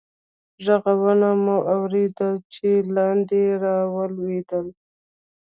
ږغونه مو اورېدل، چې لاندې رالوېدل.